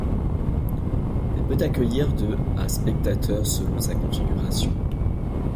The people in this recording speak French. Elle peut accueillir de à spectateurs selon sa configuration.